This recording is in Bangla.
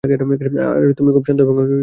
আর তুমি খুব শান্ত এবং আত্মবিশ্বাসী ছিলে।